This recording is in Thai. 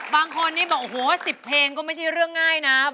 บางคนบอกว่า๑๐เพลงก็ไม่ใช่เรื่องง่ายนะครับ